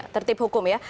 tertib hukum ya